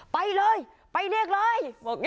ไปเลยไปเรียกเลย